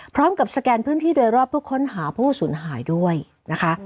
สแกนพื้นที่โดยรอบเพื่อค้นหาผู้สูญหายด้วยนะคะ